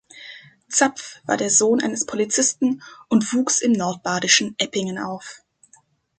Zapf war der Sohn eines Polizisten und wuchs im nordbadischen Eppingen auf.